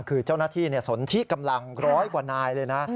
คือเจ้าหน้าที่สนทิกำลังร้อยกว่านายเลยนะ